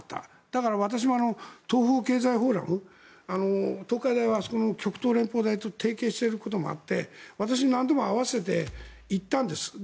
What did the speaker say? だから、私も東方経済フォーラム東海大は極東連邦大と提携していることもあって私は何度も併せて行ったんです。